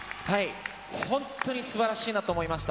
本当にすばらしいなと思いました。